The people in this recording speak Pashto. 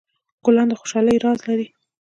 ګلان د خوشحالۍ راز لري.